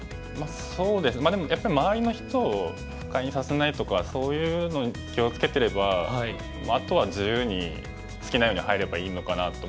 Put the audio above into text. そうですねでもやっぱり周りの人を不快にさせないとかそういうのに気を付けてればあとは自由に好きなように入ればいいのかなと。